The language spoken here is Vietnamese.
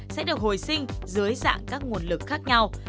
sẽ được hồi sinh dưới dạng các nguồn lực khác nhau